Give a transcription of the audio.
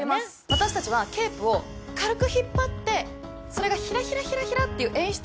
私たちはケープを軽く引っ張ってそれがヒラヒラヒラヒラっていう演出をします。